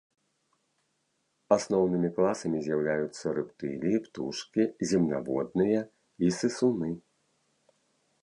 Асноўнымі класамі з'яўляюцца рэптыліі, птушкі, земнаводныя і сысуны.